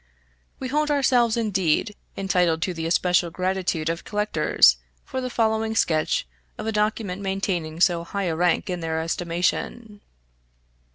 We hold ourselves, indeed, entitled to the especial gratitude of collectors for the following sketch of a document maintaining so high a rank in their estimation.